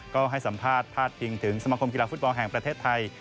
ก็ให้สัมภาษณ์พาดพิงถึงสมคมกีฬาฟุตบอลแห่งประเทศไทย